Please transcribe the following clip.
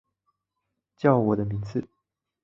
叫我的名字